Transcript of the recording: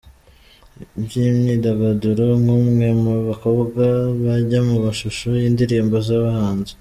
by’imyidagaduro nk’umwe mu bakobwa bajya mu mashusho y’indirimbo z’abahanzi,